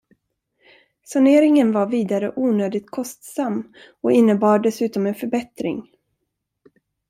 Saneringen var vidare onödigt kostsam och innebar dessutom en förbättring.